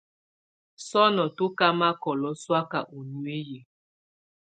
Sɔnɔ tú ká makɔlɔ sɔ̀áka ú nuiyi.